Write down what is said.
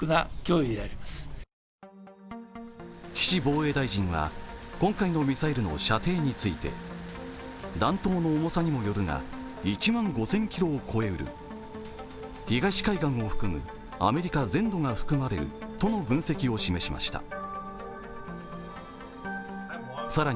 岸防衛大臣は今回のミサイルの射程について弾頭の重さにもよるが１万５０００ｋｍを超えうる、東海岸を含むアメリカ全土が含まれるとの分析を示しました。